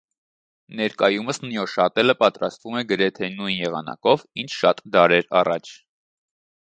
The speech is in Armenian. Ներկայումս նյոշատելը պատրաստվում է գրեթե նույն եղանակով, ինչ շատ դարեր առաջ։